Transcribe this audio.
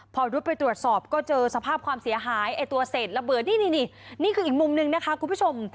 พอรุดไปตรวจสอบก็เจอสภาพความเสียหายไอ้ตัวเศษระเบิดนี่นี่นี่คืออีกมุมหนึ่งนะคะคุณผู้ชม